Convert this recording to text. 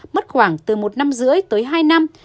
mất khoảng từ một năm rưỡi tới hai năm